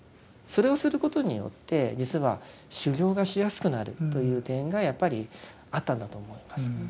それをすることによって実は修行がしやすくなるという点がやっぱりあったんだと思います。